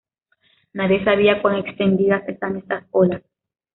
Nadie sabía cuán extendidas están estas olas.